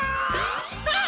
あっ！